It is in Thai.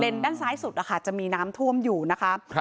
เลนด้านซ้ายสุดอะคะจะมีนำท่วมอยู่นะคะครับ